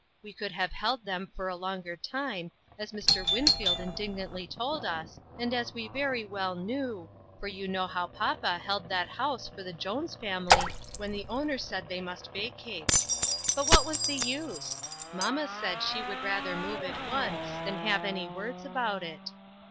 We could have held them for a longer time, as Mr. Winfield indignantly told us, and as we very well knew, for you know how papa held that house for the Jones family when the owner said they must vacate. But what was the use ? Mamma said she would rather move at once, than have any words about it.